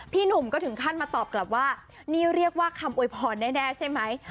หนุ่มก็ถึงขั้นมาตอบกลับว่านี่เรียกว่าคำโวยพรแน่ใช่ไหม